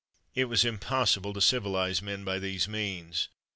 It was impossible to civilise men by these means.